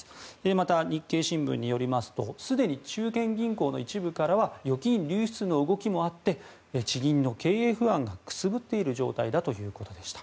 また、日経新聞によりますとすでに中堅銀行の一部からは預金流出の動きもあって地銀の経営不安がくすぶっている状態だということでした。